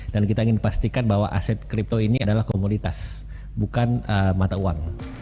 dan kita ingin pastikan bahwa aset kripto ini adalah komunitas bukan mata uang